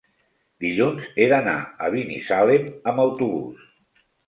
Dilluns he d'anar a Binissalem amb autobús.